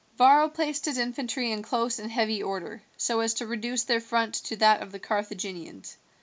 Varro placed his infantry in close and heavy order, so as to reduce their front to that of the Carthaginians.